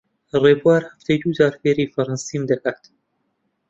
ڕێبوار هەفتەی دوو جار فێری فەڕەنسیم دەکات.